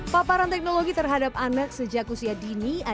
mau pakai pakai dia